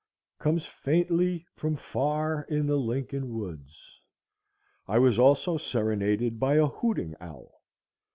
_ comes faintly from far in the Lincoln woods. I was also serenaded by a hooting owl.